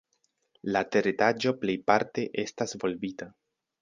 La teretaĝo plejparte estas volbita.